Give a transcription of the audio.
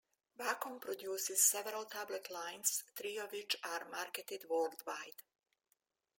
Wacom produces several tablet lines, three of which are marketed worldwide.